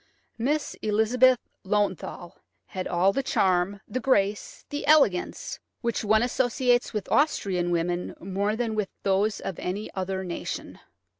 Miss Elizabeth Löwenthal had all the charm, the grace, the elegance, which one associates with Austrian women more than with those of any other nation.